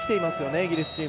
イギリスチーム。